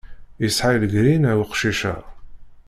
Yesɛa legrina uqcic-a.